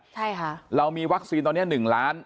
ใช่ค่ะเรามีวัคซีนตอนนี้๑ล้าน